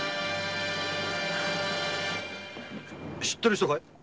知ってる人かい？